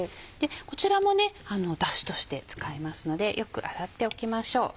こちらもダシとして使いますのでよく洗っておきましょう。